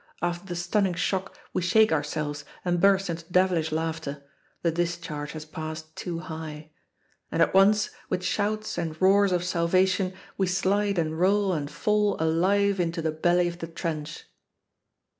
After the stunning shock we shake ourselves and burst into devilish laughter the discharge has passed too high. And at once, with shouts and roars of salvation, we slide and roll and fall alive into the belly of the trench!